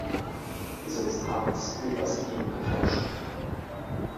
Die Substanz gilt als wenig erforscht.